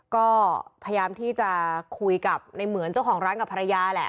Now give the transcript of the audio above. ก็พยายามที่จะคุยกับในเหมือนเจ้าของร้านกับภรรยาแหละ